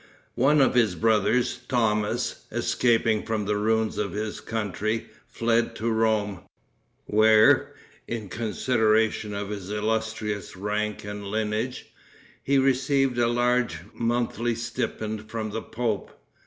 One of his brothers, Thomas, escaping from the ruins of his country, fled to Rome, where, in consideration of his illustrious rank and lineage, he received a large monthly stipend from the pope.